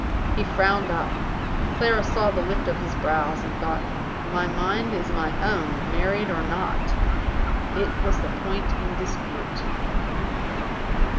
He frowned up. Clara saw the lift of his brows, and thought, "My mind is my own, married or not." It was the point in dispute.